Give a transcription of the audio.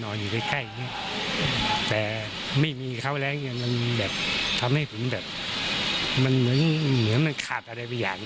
นอนอยู่ใกล้แต่ไม่มีเขาแล้วมันเหมือนมันขาดอะไรไปอย่างนี้